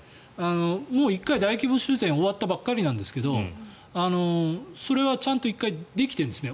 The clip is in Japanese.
もう１回、大規模修繕終わったばっかりなんですけどそれはちゃんと１回できてるんですね。